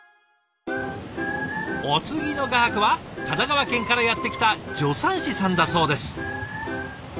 お次の画伯は神奈川県からやって来た助産師さんだそうです。